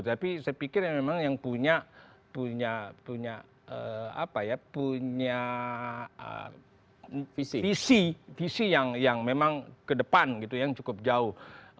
tapi saya pikir memang yang punya visi visi yang memang kedepan gitu yang cukup jauh